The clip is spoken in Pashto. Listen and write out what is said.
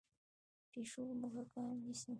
پیشو موږکان نیسي.